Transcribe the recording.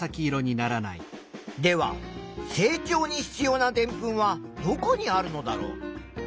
では成長に必要なでんぷんはどこにあるのだろう？